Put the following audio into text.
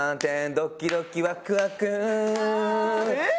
「ドキドキワクワク」えっ？